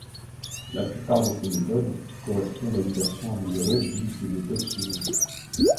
La plupart de ces méthodes correspondent à une version améliorée d'une des méthodes suivantes.